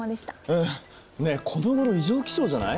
うんねえこのごろ異常気象じゃない？